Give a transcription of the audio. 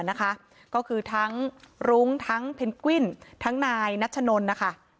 นะคะก็คือทั้งรุ้งทั้งเพนกวิ้นทั้งนายนัชนนนะคะ